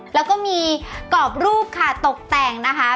แล้วก็มีกรอบรูปค่ะตกแต่งนะคะ